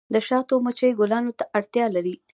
د شاتو مچۍ ګلانو ته اړتیا لري